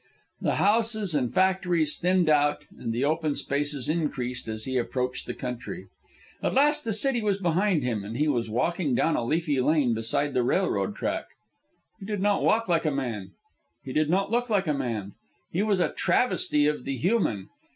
The houses and factories thinned out and the open spaces increased as he approached the country. At last the city was behind him, and he was walking down a leafy lane beside the railroad track. He did not walk like a man. He did not look like a man. He was a travesty of the human.